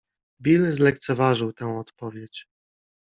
Bill zlekceważył tę odpowiedź.